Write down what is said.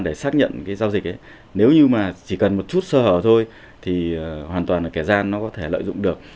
để xác nhận cái giao dịch ấy nếu như mà chỉ cần một chút sơ hở thôi thì hoàn toàn là kẻ gian nó có thể lợi dụng được